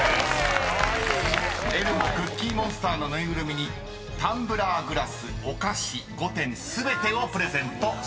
［エルモクッキーモンスターのぬいぐるみにタンブラーグラスお菓子５点全てをプレゼントします］